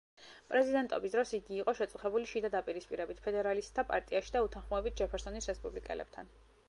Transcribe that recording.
პრეზიდენტობის დროს იგი იყო შეწუხებული შიდა დაპირისპირებით ფედერალისტთა პარტიაში და უთანხმოებით ჯეფერსონის რესპუბლიკელებთან.